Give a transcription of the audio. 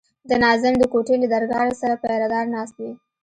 د ناظم د کوټې له درګاه سره پيره دار ناست وي.